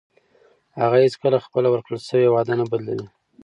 هغه هیڅکله خپله ورکړل شوې وعده نه بدلوي.